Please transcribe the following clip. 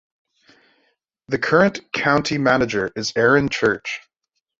The current County Manager is Aaron Church.